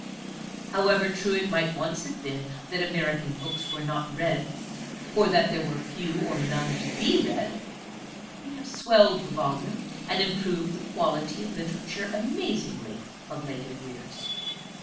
However true it might once have been that American books were not read, or that there were few or none to be read, we have swelled the volume and improved the quality of literature amazingly of later years.